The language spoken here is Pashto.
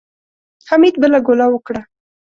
حميد بله ګوله وکړه.